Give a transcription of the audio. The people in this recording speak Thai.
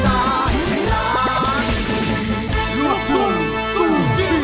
พักสักครู่